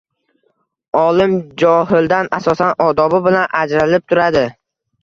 Olim johildan asosan odobi bilan ajralib turadi.